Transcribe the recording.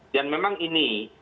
dan memang ini